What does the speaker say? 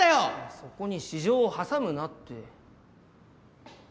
そこに私情を挟むなって。